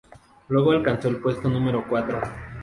Luego alcanzó el puesto número cuatro.